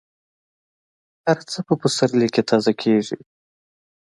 هر څه په پسرلي کې تازه کېږي.